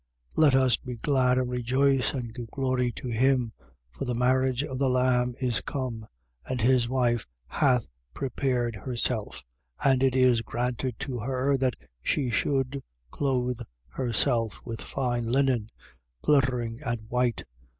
19:7. Let us be glad and rejoice and give glory to him. For the marriage of the Lamb is come: and his wife hath prepared herself. 19:8. And it is granted to her that she should clothe herself with fine linen, glittering and white.